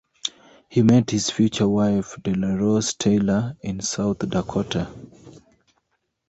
He met his future wife Delores Taylor in South Dakota.